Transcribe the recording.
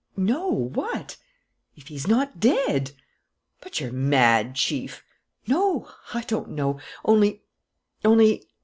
"No; what?" "If he's not dead!" "But you're mad, Chief!" "No.... I don't know.... Only, only